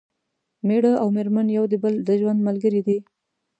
مېړه او مېرمن یو د بل د ژوند ملګري دي